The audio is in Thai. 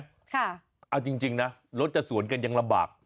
ค่ะเอาจริงนะรถจะสวนกันอย่างระบาก